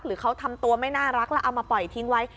หรือเขาทำตัวไม่น่ารักแล้วเอามาปล่อยทิ้งไว้